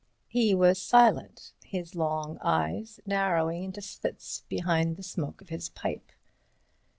He was silent, his long eyes narrowing into slits behind the smoke of his pipe.